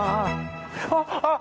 あっあっ！